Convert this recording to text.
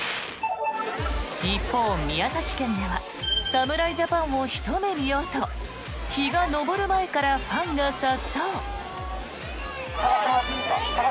一方、宮崎県では侍ジャパンをひと目見ようと日が昇る前からファンが殺到。